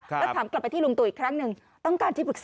แล้วถามกลับไปที่ลุงตัวอีกครั้งหนึ่ง